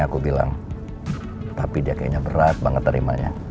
aku bilang tapi dia kayaknya berat banget terimanya